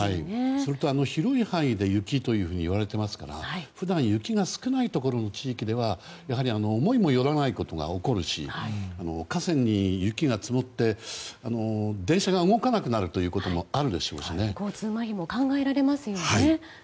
それと、広い範囲で雪といわれていますから普段雪が少ないところの地域ではやはり思いもよらないことが起こるし架線に雪が積もって電車が動かなくなることも交通まひも考えられますよね。